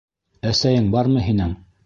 Әсәйең бармы һинең?